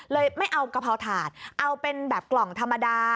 ไม่เอากะเพราถาดเอาเป็นแบบกล่องธรรมดา